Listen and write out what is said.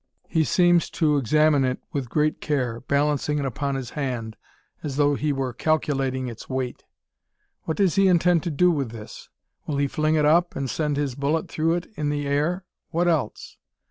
He seems to examine it with great care, balancing it upon his hand, as though he were calculating its weight. What does he intend to do with this? Will he fling it up, and send his bullet through it in the air? What else?